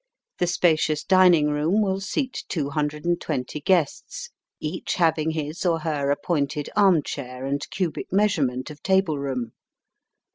The spacious dining room will seat 220 guests, each having his or her appointed armchair and cubic measurement of table room.